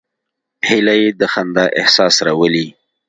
هیلۍ د خندا احساس راولي